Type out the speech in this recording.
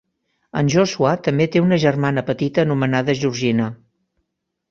En Joshua també té una germana petita anomenada Georgina.